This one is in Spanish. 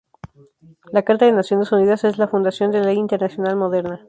La Carta de Naciones Unidas es la fundación de la ley internacional moderna.